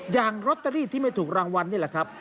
อย่างลอตเตอรี่ที่ไม่ถูกรางวัลนี่แหละครับ